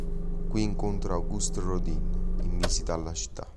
Qui incontra Auguste Rodin in visita alla città.